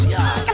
ini biar pas